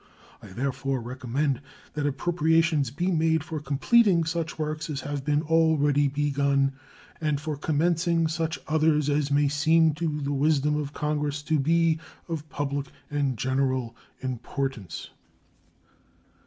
I therefore recommend that appropriations be made for completing such works as have been already begun and for commencing such others as may seem to the wisdom of Congress to be of public and general importance.